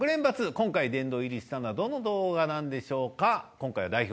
今回殿堂入りしたのはどの動画なんでしょうか？